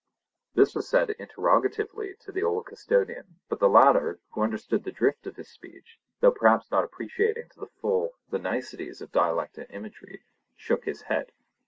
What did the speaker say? This was said interrogatively to the old custodian, but the latter, who understood the drift of his speech, though perhaps not appreciating to the full the niceties of dialect and imagery, shook his head.